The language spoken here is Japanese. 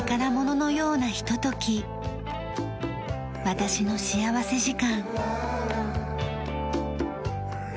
『私の幸福時間』。